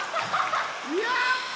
やった！